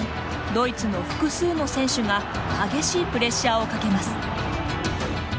ドイツの複数の選手が激しいプレッシャーをかけます。